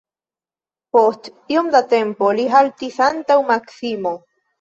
Post iom da tempo li haltis antaŭ Maksimo.